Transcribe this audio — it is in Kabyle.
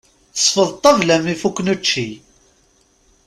Tesfeḍ ṭabla mi fukken učči.